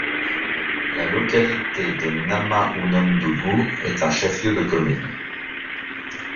La localité de Namahounondougou est un chef-lieu de commune.